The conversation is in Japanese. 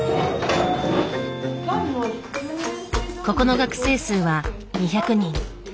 ここの学生数は２００人。